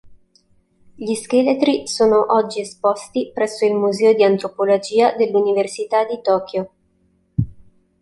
Gli scheletri sono oggi esposti presso il Museo di Antropologia dell'università di Tokyo.